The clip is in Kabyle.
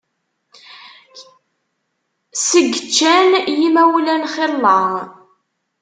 Seg ččan yimawlan xilla.